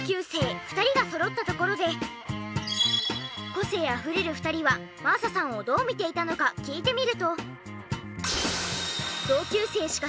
個性溢れる２人は真麻さんをどう見ていたのか聞いてみると。